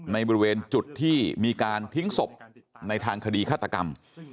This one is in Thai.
ในบริเวณจุดที่มีการทิ้งศพในทางคดีฆาตกรรม